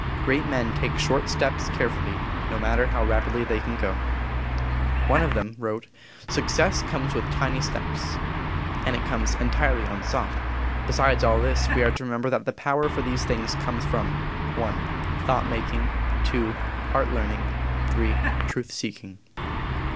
Great men take short steps carefully, no matter how rapidly they can go. One of them wrote: "Success comes with tiny steps." And it comes entirely unsought. Besides all this we are to remember that the power for these things comes from I. Thought making; II. Heart learning; III. Truth seeking.